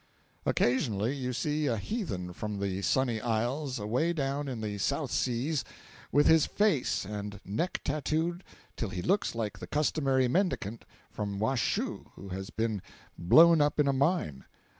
Occasionally you see a heathen from the sunny isles away down in the South Seas, with his face and neck tatooed till he looks like the customary mendicant from Washoe who has been blown up in a mine.